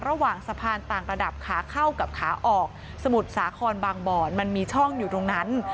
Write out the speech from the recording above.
ระหว่างสะพานต่างระดับขาเข้ากับขาออกสมุทรสาครบางบ่อนมันมีช่องอยู่ตรงนั้น